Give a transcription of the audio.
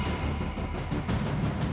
ya kita kembali ke sekolah